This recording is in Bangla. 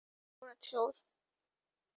খবর আছে ওর।